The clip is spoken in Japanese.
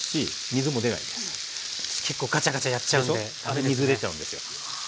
あれ水出ちゃうんですよ。